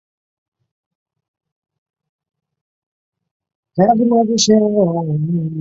此游戏的开发任务是由逆转裁判系列的创造者巧舟负责。